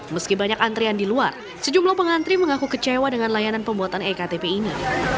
meski banyak antrian di luar sejumlah pengantri mengaku kecewa dengan layanan pembuatan ektp ini